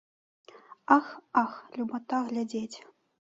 Ах, ах, любата глядзець!